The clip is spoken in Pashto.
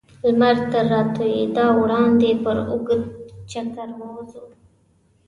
لمر تر راتودېدا وړاندې پر اوږد چکر ووځو.